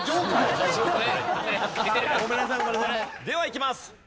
ではいきます。